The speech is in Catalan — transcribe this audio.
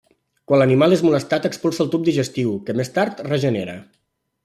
Quan l'animal és molestat expulsa el tub digestiu, que més tard regenera.